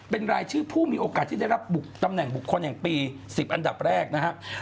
เป็นรายชื่อผู้มีโอกาสที่ได้รับตำแหน่งบุคคลแห่งปี๑๐อันดับแรกนะครับ